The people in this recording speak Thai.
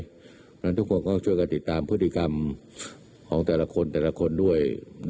เพราะฉะนั้นทุกคนก็ช่วยกันติดตามพฤติกรรมของแต่ละคนแต่ละคนด้วย